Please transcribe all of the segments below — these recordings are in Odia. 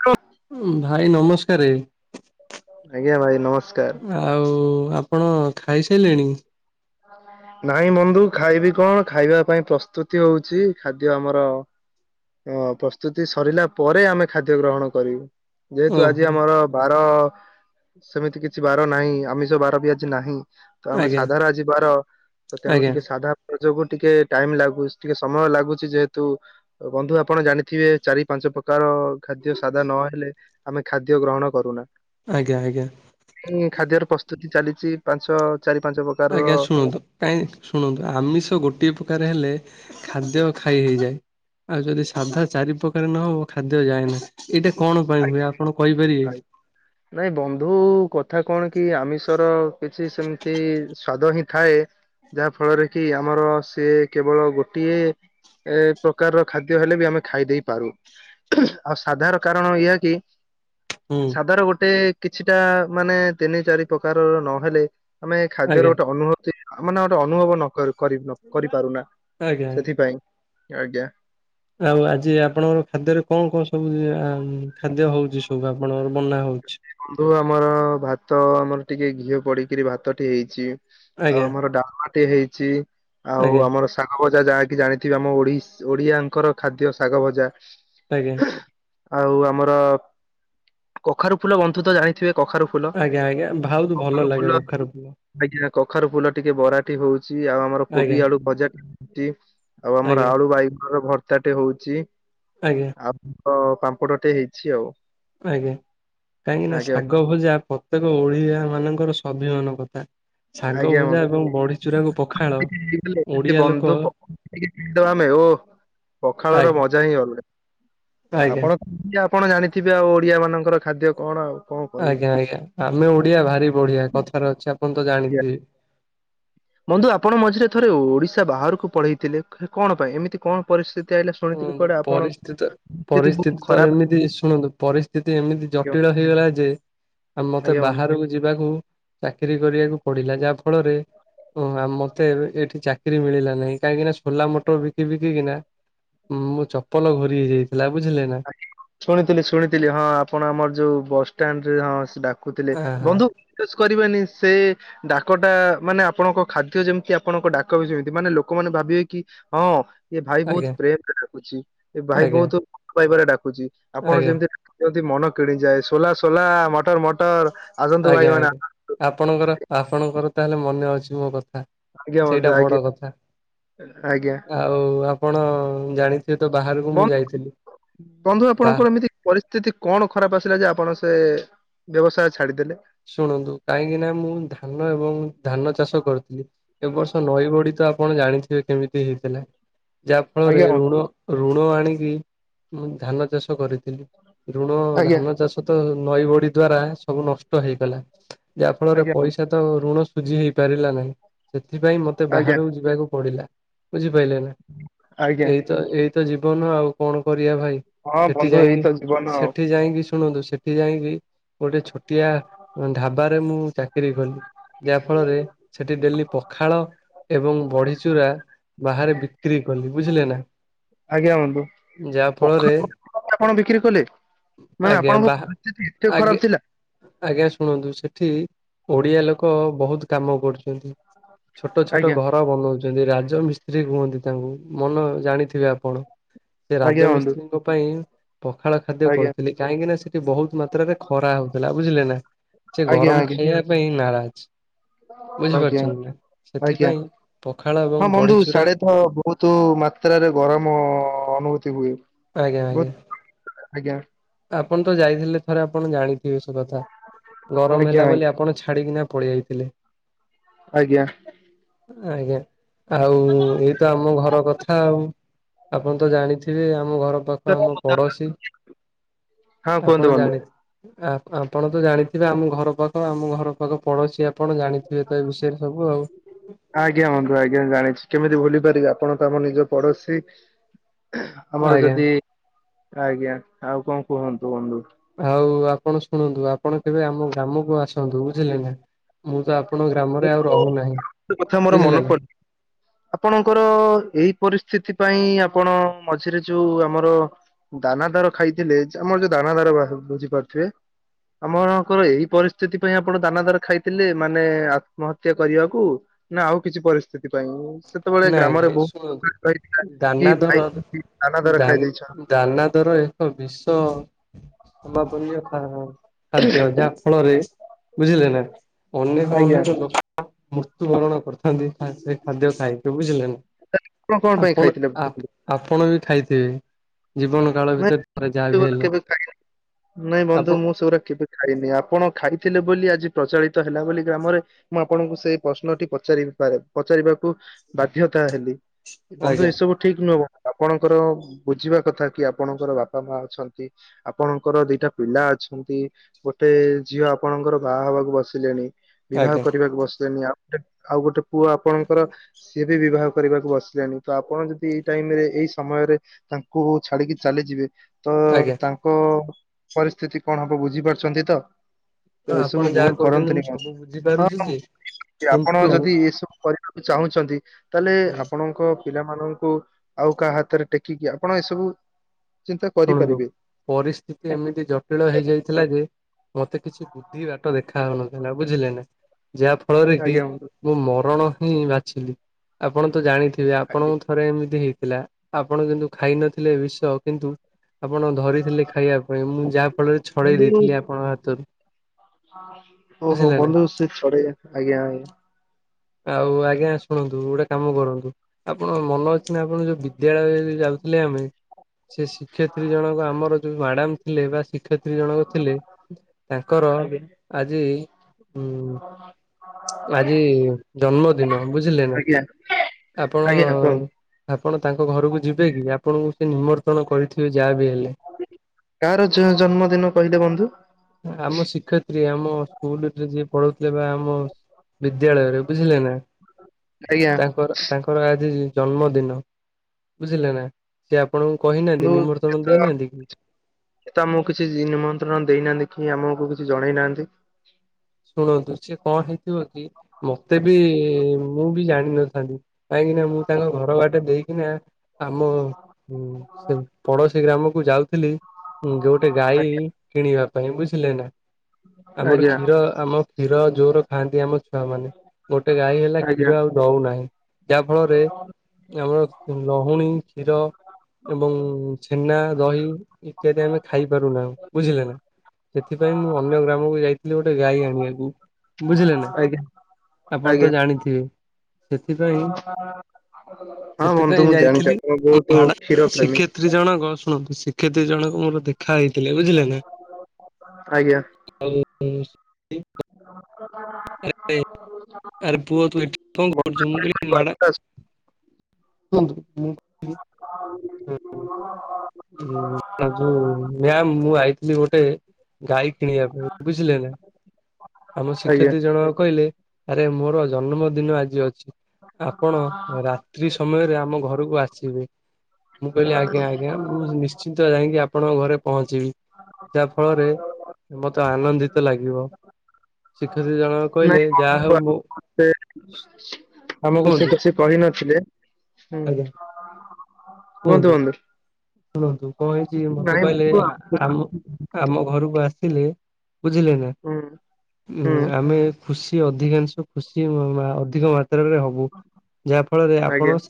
ହ। ଭାଇ ନମସ୍କାର। ଆଜ୍ଞା ଭାଇ ନମସ୍କାର। ଆଉ ଆପଣ ଖାଇସାରିଲେଣି। ହଁ। ନାଇଁ ବନ୍ଧୁ ଖାଇବି କଣ ଖାଇବା ପାଇଁ ପ୍ରସ୍ତୁତି ହଉଛି ଖାଦ୍ୟ ଆମର। ହଁ ପ୍ରସ୍ତୁତି ସରିଲା ପରେ ଆମେ ଖାଦ୍ୟ ଗ୍ରହଣ କରିବୁ ଯେହେତୁ ଆଜି ଓହୋ ଆମର ବାର ସେମିତି କିଛି ବାର ନାହିଁ ଆମିଷ ବାର ବି ଆଜି ନାହିଁ ତ ଆମେ ଆଜ୍ଞା ସାଧାର ଆଜି ଦ୍ୱାର ତ ତେଣୁ ଆଜ୍ଞା। ଟିକେ ସାଧା ଯୋଗୁ ଟିକେ ଟାଇମ ଲାଗୁଛି ଟିକେ ସମୟ ଲାଗୁଛି ଯେହେତୁ ବନ୍ଧୁ ଆପଣ ଜାଣିଥିବେ ଚାରି ପାଞ୍ଚ ପ୍ରକାର ଖାଦ୍ୟ ସାଦା ନହେଲେ ଆମେ ଖାଦ୍ୟ ଗ୍ରହଣ କରୁନା ଆଜ୍ଞା ଆଜ୍ଞା ହୁ ଖାଦ୍ୟର ପ୍ରସ୍ତୁତି ଚାଲିଛି ପାଞ୍ଚ ଚାରି ପାଞ୍ଚ ପ୍ରକାର ଆଜ୍ଞା ଶୁଣନ୍ତୁ କାହିଁକି ଶୁଣନ୍ତୁ ଆମିଷ ଗୋଟିଏ ତରକାରି ହେଲେ ଖାଦ ଖାଇ ହେଇଯାଏ ଆଉ ଯଦି ସାଧା ଚାରି ପ୍ରକାର ନହ ଖାଦ୍ୟ ଯାଏ ନାଁ ଏଇଟା କଣ ପାଇଁ ପ୍ରକାରର ହୁଏ ଆପଣ କହିପାରିବେ ନାଇଁ ବନ୍ଧୁ କଥା କଣ କି ଆମିଷର କିଛି ସେମିତି ସ୍ଵାଦ ହିଁ ଥାଏ ଯାହା ଫଳରେ କି ଆମର ସିଏ କେବଳ ଗୋଟିଏ ଏ ପ୍ରକାରର ଖାଦ୍ୟ ହେଲେ ବି ଆମେ ଖାଇ ଦେଇେଇ ପାରୁ ଆଉ ସାଧାର କାରଣ ଏହାଇ କି ହୁଁ ସାଧାର ଗୋଟେ କିଛିଟା ମାନେ ତିନି ଚାରି ପ୍ରକାରର ନହେଲେ ଆମେ ଆଜ୍ଞା ଖାଦ୍ୟର ଗୋଟେ ଅନୁଭୂତି ଆ ମାନେ ଗୋଟେ ଅନୁଭବ ନକ କରିନକରିପାରୁନା ଆଜ୍ଞା। ସେଥିପାଇଁ ଆଜ୍ଞା ଆଉ ଆଜି ଆପଣଙ୍କର ଖାଦ୍ୟରେ କଣ କଣ ସବୁ ଆ ଖାଦ୍ୟ ହଉଛି ସବୁ ଆପଣଙ୍କର ବନା ହଉଛି? ବନ୍ଧୁ ଆମର ଭାତ ଆମର ଟିକେ ଘିଅ ପଡିକିରି ଭାତ ଟେ ହେଇଛି। ଆଉ ଆଜ୍ଞା ଆମର ଡାଲମା ଟେ ହେଇଛି ଆଉ ଆଜ୍ଞା ଆମର ଶାଗ ଭଜା ଯାହାକି ଜାଣିଥିବେ ଆମ ଓଡିଶ୍ ଓଡିଆଙ୍କର ଖାଦ୍ୟ ଶାଗ ଭଜା ଆଜ୍ଞା ହ ଆଉ ଆମର କଖାରୁୁ ଫୁଲ ବନ୍ଧୁ ତ ଜାଣିଥିବେ କଖାରୁ ଫୁ ଆଜ୍ଞା ଆଜ୍ଞା ଭାଉତ ଭଲ ଲାଗେ କଖାରୁ ଫୁଲ। ଆଜ୍ଞା କଖାରୁ ଫୁଲ ଟିକେ ବରାଟି ହଉଛି ଆଉ ଆମର କୋବି ଆଜ୍ଞା ଆଳୁ ଭଜାଟି ହଉଛି ଆଉ ଆମର ଆଜ୍ଞା। ଆଳୁ ବାଇଗଣ ର ଭର୍ତାଟେ ହଉଛି ଆଜ୍ଞା ଆଉ ପ ପାମ୍ପଡ଼ ଟେ ହେଇଛି ଆଉ ଆଜ୍ଞା କାହିଁକି ନା ଆଜ୍ଞା ଶାଗ ଭଜା ପ୍ରତ୍ୟେକ ଓଡିଆ ମାନଙ୍କର ସ୍ୱାଭିମାନ କଥା। ସାଗ ଆଜ୍ଞା ଭଜା ବନ୍ଧୁ ଏବଂ ବଢିଚୂୁରାକୁ ପଖାଳ ଓଡିଆ ଲୋକ [unintelligible] ଲେ ଓ ପଖାଳର ଆଜ୍ଞା ମଜ ଜାଣିପାରିଲେ ଆଜ୍ଞା ଆପଣ ଆପଣ ଜାଣିଥିବେ ଆଉ ଓଡିଆ ମାନଙ୍କର ଖାଦ୍ୟ କଣ ଆଉ? କଣ କହିବି। ଆଜ୍ଞା ଆଜ୍ଞା ଆମେ ଓଡିଆ ଭାରି ବଢିଆ କଥାରେ ଅଛି ଆପଣ ତ ୟା- ଜାଣିଥିବେ। ବନ୍ଧୁ ଆପଣ ମଝିରେ ଥରେ ଓଡ଼ିଶା ବାହାରକୁ ପଳଇଥିଲେ କଣ ପାଇଁ ଏମିତି କଣ? ପରିସ୍ଥିତି ଆଇଲା ହୁଁ ଶୁଣିଥିଲି କୁଆଡେ ଆପଣ ପରିସ୍ଥିତି ସ୍ଥିତି ବହୁତ ପରିସ୍ଥିତି ତ ଖରାପ ଏମିତି ଶୁଣନ୍ତୁ ପରି ସ୍ଥିତି ଏମିତି ଜଟିଳ ଆଜ୍ଞା ହେଇଗଲା ଯେ ଆ ମତେ ବନ୍ଧୁ। ବାହାରକୁ ଯିବାକୁ ଚାକିରି କରିବାକୁ ପଡିଲା ଯାହା ଫଳରେ ଓହ ଆଉ ମତେ ଏଠି ଚାକିରି ମିଳିଲା ନାହିଁ କାହିଁକି ନା ସୋଲା ମୋଟର ବିକି ବିକିକିନା ହୁଁ ମୁ ଚପଲ ଘୋରି ହେଇଯାଇଥିଲା ବୁଝିଲେ ନା ଶୁଣିଥିଲି ଶୁଣିଥିଲି ହଁ ଆପଣ ଆମର ଯୋଉ ବସଷ୍ଟାଣ୍ଡରେ ହଁ ସେ ଡାକୁଥିଲେ ଆହା ବନ୍ଧୁ ପେସ୍ କରିବାନି ସେ ଡାକଟା ମାନେ ଆପଣଙ୍କ ଖାଦ୍ୟ ଯେମିତି ଆପଣଙ୍କ ଡାକ ବି ସେମିତି ମାନେ ଲୋକମାନେ ଭାବିବେ କି ହଁ ଏ ଭାଇ ବହୁତ ଆଜ୍ଞା ପ୍ରେମ ରେ ଡାକୁଛି ଏ ଭାଇ ଆଜ୍ଞା ବହୁତ ଭଲ ପାଇବାରେ ଡାକୁଛି ଆପଣ ଆଜ୍ଞା ଯେମିତି ଯେମିତି ମନ କିଣିଯାଏ ସୋଲା ସୋଲା ମଟର ମଟର ଆସନ୍ତୁ ଭାଇ ଆଜ୍ଞା ମାନେ ଆଜ୍ଞା ଆସନ୍ତୁ ଆପଣଙ୍କର ଆପଣଙ୍କର ତାହେଲେ ମନେ ଅଛି ମୋ କଥା। ଆଜ୍ଞା ବନ୍ଧୁ ସେଇଟା ଆଜ୍ଞା ବଡ କଥା ଆଜ୍ଞା ଆଉ ଆପଣ ଜାଣିଥିବି ତ ବାହାରକୁ ମୁଁ ବନ୍ଧୁ ଯାଇଥିଲି ବନ୍ଧୁ ବା ଆପଣଙ୍କର ଏମିତି ପରିସ୍ଥିତି କଣ ଖରାପ ଆସିଲା ଯେ ଆପଣ ସେ ବ୍ୟବସାୟ ଛାଡିଦେଲେ? ଶୁଣନ୍ତୁ କାହିଁକି ନା ମୁଁ ଧାନ ଏବଂ ଧାନ ଚାଷ କରୁଥିଲି। ଏ ବର୍ଷ ନଈ ବଢ଼ି ତ ଆପଣ ଜାଣିଥିବେ କେମିତି ହେଇ ଥିଲା ଯା ଫଳରେ ଆଜ୍ଞା ବନ୍ଧୁ ଋଣ ଋଣ ଆଣିକି ମୁଁ ଧାନ ଚାଷ କରିଥିଲି ଋଣ ଆଜ୍ଞା ଧାନ ଚାଷ ଏ ତଳେ ବି ନଈ ବଢ଼ି ଦ୍ଵାରା ସବୁ ନଷ୍ଟ ହେଇଗଲା ଯାହା ଫଳରେ ଆଜ୍ଞା ବନ୍ଧୁ ପଇସା ତ ଋଣ ସୁଝି ହେଇ ପାରିଲା ନାହିଁ ସେଥିପାଇଁ ମତେ ଆଜ୍ଞା। ବାହାରକୁ ଯିବାକୁ ପଡିଲା। ବୁଝିପାଇଲେ ନା ଆଜ୍ଞା ତ ଏଇତ ଜୀବନ ଆଉ କଣ କରିବା ଭାଇ ହଁ ସେଠି ବନ୍ଧୁ ଯାଇକି ଏଇତ ଜୀବନ ଆଉ ସେଠି ଯାଇକି ଶୁଣନ୍ତୁ ସେଠି ଯାଇକି ଗୋଟେ ଛୋଟିଆ ଉ ଢାବାରେ ମୁଁ ଚାକିରୀ କଲି। ଯାହା ଫଳରେ ସେଠି ଡେଲି ପଖାଳ ଏବଂ ବଡ଼ିଚୁରା ବାହାରେ ବିକ୍ରି କଲି ବୁଝିଲେ ନା ଆଜ୍ଞା ବନ୍ଧୁ। ଯାହା ଫଳରେ ପଖାଳ ଆପଣ ବିକ୍ରି କଲେ ମାନେ ଆଜ୍ଞା ଆପଣଙ୍କ ବା ପରିସ୍ଥିତି ଏତେ ଆଜ୍ଞା ଖରାପ ଥିଲା। ଆଜ୍ଞା ଶୁଣନ୍ତୁ ସେଠି ଓଡ଼ିଆ ଲୋକ ବହୁତୁ କାମ କରୁଛନ୍ତି। ଛୋଟ ଛୋଟ ଆଜ୍ଞା ଘର ବନଉଛନ୍ତି ରାଜମିସ୍ତ୍ରୀ କୁହନ୍ତି ତାଙ୍କୁ। ମନ ଜାଣିଥିବେ ଆପଣ ସେ ଆଜ୍ଞା ବନ୍ଧୁ ରାଜମିସ୍ତ୍ରୀଙ୍କ ପାଇଁ ପଖାଳ ଖାଦ୍ୟ ଆଜ୍ଞା କରୁଥିଲେ। କାହିଁକି ନା ସେଠି ବହୁତୁ ମାତ୍ରାରେ ଖରା ହଉଥିଲା ବୁଝିଲେ ନା ସେ ଆଜ୍ଞା ଗରମ ଆଜ୍ଞା ଖାଇବା। ପାଇଁ ନାରାଜ। ଆଜ୍ଞା ବୁଝିପାରୁଛନ୍ତି ନା ଆଜ୍ଞା ସେଥିପାଇଁ ପଖାଳ ଏବଂ ବଡ଼ିଚୁରା ବହୁତୁ ମାତ୍ରାରେ ଗରମ ଅନୁଭୂତି ହୁଏ। ଆଜ୍ଞା ବହୁତ ଆଜ୍ଞା ଆଜ୍ଞା ଆପଣ ତ ଯାଇଥିଲେ। ଥରେ ଆପଣ ଜାଣିଥିବେ ସେ କଥା ଗରମ ଆଜ୍ଞା ହେଲା ଆଜ୍ଞା ବୋଲି ଆପଣ ଛାଡିକିନା ପଳେଇଆଇଲେ ଥିଲେ ଆଜ୍ଞା ଆଜ୍ଞା ଆଉ ଏଇ ତ ଆମ ଘର କଥା ଆଉ ଆପଣ ତ ଜାଣିଥିବେ ଆମ ଘର ପାଖ ଆମ ପଡୋଶୀ ହଁ କୁହନ୍ତୁ ଆପଣ ବନ୍ଧୁ ଜାଣି ଆ ଆପଣ ତ ଜାଣିଥିବେ ଆମ ଘର ପାଖ ଆମ ଘର ପାଖ ପଡୋଶୀ ଆପଣ ଜାଣିଥିବେ ତ ଏ ବିଷୟରେ ସବୁ ଆଉ ଆଜ୍ଞା ବନ୍ଧୁ ଆଜ୍ଞା ଜାଣିଛି କେମିତି ଭୁଲି ପାରିବି ଆପଣ ତ ଆମ ନିଜ ପଡୋଶୀ। ଆମର ଆଜ୍ଞା ଯଦି ଆଜ୍ଞା ଆଉ କଣ କୁହନ୍ତୁ ବନ୍ଧୁ। ଆଉ ଆପଣ ଶୁଣନ୍ତୁ ଆପଣ କେବେ ଆମ ଗ୍ରାମକୁ ଆସନ୍ତୁ ବୁଝିଲେ ନା ମୁଁ ତ ଆପଣଙ୍କ ଗ୍ରାମରେ ଆଉ ରହୁନାହିଁ ଗୋଟେ କଥା ମୋର ମନେ ବୁଝିଲେ ନା ପଡି ଆପଣଙ୍କର ଏଇ ପରିସ୍ଥିତି ପାଇଁ ଆପଣ ମଝିରେ ଯୋଉ ଆମର ଦାନା ଦାର ଖାଇଥିଲେ ଆମର ଯୋଉ ଦାନା ଦାର ବୁଝିପାରୁଥିବେ। ଆମଙ୍କର ଏଇ ପରିସ୍ଥିତି ପାଇଁ ଆପଣ ଦାନା ଦାର ଖାଇଥିଲେ ମାନେ ଆତ୍ମହତ୍ୟା କରିବାକୁ ନା ଆଉ କିଛି ପରିସ୍ଥିତି ପାଇଁ ସେ ସେତେବେଳେ ନାଇଁ ଗ୍ରାମରେ ନାଇଁ ବହୁତ ଶୁଣନ୍ତୁ। ପ୍ରକାର କହିଥିଲା ଦାନା କି ଦର ଭାଇ ଦାନା ଦର ଦାନ ଖାଇ ଦେଇଛନ। ଦାନା ଦର ଏକ ବିଷ ସମାବନୀୟ ଖା ଖାଦ୍ୟ ଯାହା ଫଳରେ ବୁଝିଲେ ନା ଅନେକ ଆଜ୍ଞା ଅନେକ ଲୋ ମୃତ୍ୟୁବରଣ କରିଥାନ୍ତି ସେ ଖାଦ୍ୟ ଖାଇ କି ବୁଝିଲେ ନା କଣ ପାଇଁ ଆପଣ ଖାଇଥିଲେ? ଆପଣ ବି ଖାଇଥିବେ। ଜୀବନ କାଳ ଭିତରେ ଥରେ ଯାହା ବି ନାଇଁ ହେଲେ କେବେ ଖାଇନି ନାଇଁ ବନ୍ଧୁ ଆପଣ ମୁଁ ସେଗୁରା କେବେ ଖାଇନି ଆପଣ ଖାଇଥିଲେ ବୋଲି ଆଜି ପ୍ରଚଳିତ ହେଲା ବୋଲି ଗ୍ରାମରେ ମୁଁ ଆପଣଙ୍କୁ ସେଇ ପ୍ରଶ୍ନଟି ପଚାରି ପାରେ ପଚାରିବାକୁ ବାଧ୍ୟତା ହେଲି। ବନ୍ଧୁ ଆଜ୍ଞା ଏସବୁ ଠିକ ନୁହଁବ ଆପଣଙ୍କର ବୁଝିବା କଥା। କି ଆପଣଙ୍କର ବାପା ମା ଅଛନ୍ତି। ଆପଣଙ୍କର ଦିଟା ପିଲା ଅଛନ୍ତି ଗୋଟେ ଝିଅ ଆପଣଙ୍କର ବାହା ହବାକୁ ବସିଲେଣି। ବିବାହ ଆଜ୍ଞା କରିବାକୁ ବସିଲେନି ଆଉ ଗୋଟେ ଆଉ ଗୋଟେ ପୁଅ ଆପଣଙ୍କର ସିଏ ବି ବିବାହ କରିବାକୁ ବସିଲେଣି ତ ଆପଣ ଯଦି ଏଇ ଟାଇମ ରେ ଏଇ ସମୟରେ ତାଙ୍କୁ ଛାଡିକି ଚାଲିଯିବେ ତ ଆଜ୍ଞା ତାଙ୍କ ପରିସ୍ଥିତି କଣ ହବ ବୁଝିପାରୁଛନ୍ତି ତ ତ ଏସବୁ ଆପଣ ଯାହା ଭୁଲ କହୁଛନ୍ତି ମୁଁ କରନ୍ତିୁନି ସବୁ ବୁଝିପାରୁଛି ଯେ ହଁ ଆପଣ କିନ୍ତୁ ଯଦି ଏସବୁ କରି ଚାହୁଁଛନ୍ତି ତାହେଲେ ଆପଣଙ୍କ ପିଲାମାନଙ୍କୁ ଆଉ କାହା ହାତରେ ଟେକିକି ଆପଣ ଏସବୁ ଚିନ୍ତା ଶୁଣନ୍ତୁ କରିପାରିବେ ପରିସ୍ଥିତି ଏମିତି ଜଟିଳ ହେଇଯାଇଥିଲା ଯେ ମତେ କିଛି ବୁଦ୍ଧି ବାଟ ଦେଖା ହଉନଥିଲା ନା ବୁଝିଲେ ନା ଯାହା ଫଳରେ କି ଆଜ୍ଞା ବନ୍ଧୁ ମୁଁ ମରଣ ହିଁ ବାଛିଲି ଆପଣ ତ ଜାଣିଥିବେ ଆଜ୍ଞା। ଆପଣଙ୍କୁ ଥରେ ଏମିତି ହେଇଥିଲା ଆପଣ କିନ୍ତୁ ଖାଇନଥିଲେ ବିଷ କିନ୍ତୁ ଆପଣ ଧରିଥିଲେ ଖାଇବା ପାଇଁ ମୁଁ ଯାହା ଫଳରେ ଛଡେଇ ବନ୍ଧୁ ଦେଇଥିଲି ଆପଣଙ୍କ ହାତରୁ ଓହୋ ବୁଝିଲେ ନା ବନ୍ଧୁ ସେ ଛଡେଇବେ ଆଜ୍ଞା ଆଙ୍ ଆଉ ଆଜ୍ଞା ଶୁଣନ୍ତୁ ଗୋଟେ କାମ କରନ୍ତୁ ଆପଣ ମନ ଅଛି ନା ଆପଣ ଯୋଉ ବିଦ୍ୟାଳୟ ଯାଉଥିଲେ ଆମେ ସେ ଶିକ୍ଷୟତ୍ରୀ ଜଣକ ଆମର ଯୋଉ ମାଡାମ ଥିଲେ ବା ଶିକ୍ଷୟତ୍ରୀ ଜଣକ ଥିଲେ ତାଙ୍କର ଆଜ୍ଞା। ଆଜି ଉମ୍ ଆଜି ଜନ୍ମଦିନ ବୁଝିଲେ ନା ଆଜ୍ଞା ଆପଣ ଆଜ୍ଞା କୁହନ୍ତୁ ଆପଣ ତାଙ୍କ ଘରକୁ ଯିବେ କି? ଆପଣଙ୍କୁ ସେ ନିମ କରିଥିବେ ଯାହା ବି ହେଲେ। କାହାର ଜନ୍ମଦିନ କହିଲେ ବନ୍ଧୁ। ଆମ ଶି--ୟତ୍ରୀ ଆମ ସ୍କୁଲ୍ ରେ ଯିଏ ପଢ଼ଉ ଥିଲେ। ଆମ ବିଦ୍ୟାଳୟରେ ବୁଝିଲେ ନା। ଆଜ୍ଞା ତାଙ୍କର ତାଙ୍କର ଆଜି ଜନ୍ମଦିନ ବୁଝିଲେ ନା। ସେ ଆପଣଙ୍କୁ କହିନାହାନ୍ତି, ନିମ ଦେଇନାହାନ୍ତି କି? ସେତ ଆମକୁ କିଛି ନିମନ୍ତ୍ର ଦେଇନାହାନ୍ତି, କି ଆମକୁ କିଛି ଜଣେଇ ନାହାନ୍ତି। ଶୁଣନ୍ତୁ, ସିଏ କ'ଣ ହେଇଥିବ କି? ମତେ ବି ମୁଁ ବି ଜାଣିନଥାନ୍ତି, କାହିଁକି ନା ମୁଁ ତାଙ୍କ ଘର ବାଟେ ଦେଇ ଆମ ପଡ଼ୋଶୀ ଗ୍ରାମକୁ ଯାଉଥିଲି। ଗୋଟେ ଗାଈ ଆଜ୍ଞା କିଣିବା ପାଇଁ ବୁଝିଲେ ନା। ଆମର ଆଜ୍ଞା କ୍ଷୀର ଆମ କ୍ଷୀର ଜୋରେ ଖାଆନ୍ତି ଆମ ମାନେ, ଗୋଟେ ଗାଈ ହେଲା ଆଜ୍ଞା କ୍ଷୀର ଆ ଦଉ ନାହିଁ, ଯାହା ଫଳରେ ଆମର ହୁଣୀ, କ୍ଷୀର ଏବଂ ଛେନା, ଦହି ଇତ୍ୟାଦି ଆମେ ଖାଇ ପାରୁନାହୁଁ ବୁଝିଲେ ନା। ସେଥିପାଇଁ ମୁଁ ଅନ୍ୟ ଗ୍ରାମକୁ ଯାଇଥିଲି, ଗୋଟେ ଗାଈ ଆଣି--କୁ। ବୁଝିଲେ ନା, ଆଜ୍ଞା ଆପଣ ଆଜ୍ଞା। ତ ଜାଣିଥିବେ। ସେଥିପାଇଁ [inaudible] ହଁ ସେଥିପାଇଁ ବନ୍ଧୁ ମୁଁ ଯାଇଥିଲି ଜାଣିଚି, ଆପଣ ବହୁତୁ ଭାଡା କ୍ଷୀର ପ୍ରେମୀ। ଶିକ୍ଷୟତ୍ରୀ ଜଣକ ଶୁଣନ୍ତୁ, ଶି---ତ୍ରୀ ଜଣକ ମୋର ଦେଖା ହେଇଥିଲେ ବୁଝିଲେ ନା। [inaudible] ଆଜ୍ଞା। [inaudible] ବନ୍ଧୁ, ଆପଣଙ୍କ [inaudible] କଥା କୁହନ୍ତୁ ମୁଁ ହଁ ମ୍ୟାମ୍ ମୁଁ ଆଇଥିଲି ଗୋଟେ କିଣିବା ପାଇଁ ବୁଝିଲେ ନା। ଆମ ଆଜ୍ଞା ଶିକ୍ଷ--ତ୍ରୀ ଜଣକ କହିଲେ, ଆରେ ମୋର ଜନ୍ମ ଦିନ ଆଜି ଅଛି। ଆପଣ ରାତ୍ରି ସମୟରେ ଆମ ଘରୁକୁ ଆସିବେ। ମୁଁ କହିଲି ଆଜ୍ଞା ଆଜ୍ଞା ମୁଁ ନିଶ୍ଚିନ୍ତ ଯାଇ ଆପଣଙ୍କ ଘରେ ପହଞ୍ଚିବି। ଯାହା ଫଳରେ ମତେ ଆନନ୍ଦିତ ଲାଗିବ, ଶିକ୍ଷ--ତ୍ରୀ ଜଣକ କହିଲେ। ଯାହା ହଉ ମୋ କୁହନ୍ତୁ [inaudible] ଆଜ୍ଞା କୁହନ୍ତୁ [inaudible] ଶୁଣନ୍ତୁ କଣ ହେଇଚି, ମତେ ନାଇଁ କଇଲେ ବନ୍ଧୁ ଆମକୁ ଆମ ଘରକୁ ଆସିଲେ। ବୁଝିଲେ ନା, ହୁଁ ହୁଁ ଆମେ ଖୁସି ଅଧିକାଂଶ ଖୁସି ଅଧିକ ମାତ୍ରାରେ ହବୁ। ଯାହା ଫଳରେ ଆପଣ ଆଜ୍ଞା [inaudible]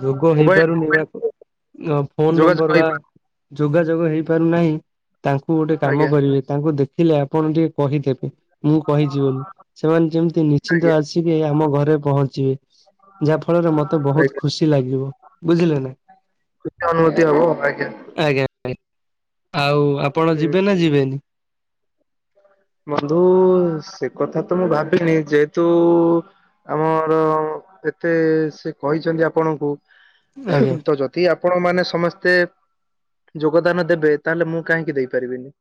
ଯୋଗ ହେଇପାରୁନି, ମୋବାଇଲ ଫୋନ୍‌ ନମ୍ବର୍ ଯୋଗାଯୋଗ ବା ହେଇପାରୁ ଯୋଗାଯୋଗ ହେଇପାରୁନାହିଁ, ତାଙ୍କୁ ଗୋଟେ କାମ ଆଜ୍ଞା କରିବେ। ତାଙ୍କୁ ଦେଖିଲେ ଆପଣ ଟି କହି ଦେବେ। ମୁଁ କହିଚି ବଲି, ସେମାନେ ଯେମିତି ଆଜ୍ଞା ନି---ନ୍ତ ଆସିକି ଆମ ଘରେ ପହଞ୍ଚିବେ। ଯା---ଫଳରେ ମ ବହୁତ୍ ଆଜ୍ଞା ଖୁସି ଲାଗିବ, ବୁଝିଲେ ନା। ଖୁସି ଅନୁଭୂତି ହବ ଆଜ୍ଞା ଆଉ ଆପଣ ହୁଁ। ଯିବେ ନା ଯିବେନି? ବନ୍ଧୁ ସେ କଥା ତ ମୁଁ ଭାବିନି। ଯେହେତୁ ଆମର ଏତେ ସେ କହିଚନ୍ତି ଆପଣଙ୍କୁ। ଆଜ୍ଞା ଆପଣ ମାନେ ସମସ୍ତେ ଯୋଗଦାନ ଦେବେ ତା'ହେଲେ ମୁଁ କାହିଁକି ଦେଇପାରିବିନି।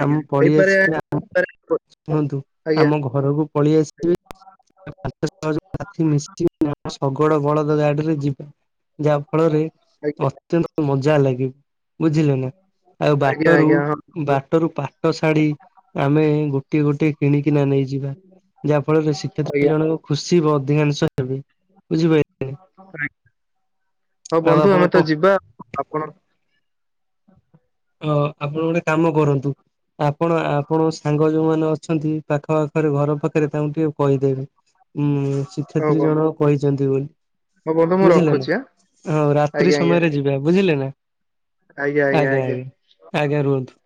ଆଜ୍ଞା ହେଇପାରେ ହେଇପାରେ। [inaudible] [inaudible] [inaudible] ଆଜ୍ଞା। ଆଜ୍ଞା ଆଉ ଆଜ୍ଞା ବାଟରୁ ଆଜ୍ଞା ହଁ ବନ୍ଧୁ ବାଟରୁ ପାଟ ଶାଢୀ ଆମେ ଗୋଟେ ଗୋଟିଏ ଗୋଟିଏ କିଣିକିନା ନେଇଯିବା ଯାହା ଫଳରେ ଶିକ୍ଷୟତ୍ରୀ ଆଜ୍ଞା ଜଣ ଖୁସି ଅଧିକାଂଶ ହେବେ ବୁଝିପାଇଲେ। ହଉ ଆଉ ବନ୍ଧୁ ଆପଣ ଆମେ କ ତ ଯିବା ଆପଣ ଅ ଆପଣ ଗୋଟେ କାମ କରନ୍ତୁ। ଆପଣ ଆପଣଙ୍କ ସାଙ୍ଗ ଯୋଉମାନେ ଅଛନ୍ତି ପାଖ ପାଖରେ ଘର ପାଖରେ ତାଙ୍କୁ ଟିକେ କହିଦେବେ। ହୁଁ। ହଉ ଶିକ୍ଷୟତ୍ରୀ ବନ୍ଧୁ ଜଣକ କହିଛନ୍ତି ବୋଲି ହଉ ବନ୍ଧୁ ମୁଁ ବୁଝିଲେ ନା ରଖୁଛି ଆଁ ହଉ ରାତ୍ରି ଆଜ୍ଞା ଆଜ୍ଞା ସମୟରେ ଯିବ ବୁଝିଲେ ନା ଆଜ୍ଞା ଆଜ୍ଞା ଆଜ୍ଞା ରୁହନ୍ତୁ।